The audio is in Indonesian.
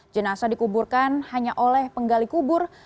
jenasa dikuburkan hanya oleh penggali kubur